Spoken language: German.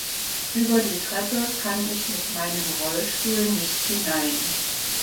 Über die Treppe kann ich mit meinem Rollstuhl nicht hinein.